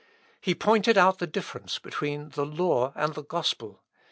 He pointed out the difference between the Law and the Gospel.